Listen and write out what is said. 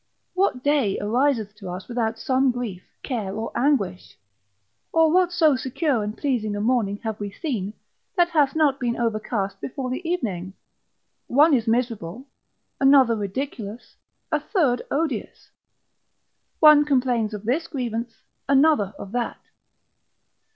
What day ariseth to us without some grief, care, or anguish? Or what so secure and pleasing a morning have we seen, that hath not been overcast before the evening? One is miserable, another ridiculous, a third odious. One complains of this grievance, another of that.